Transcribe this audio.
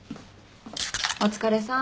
お疲れさん。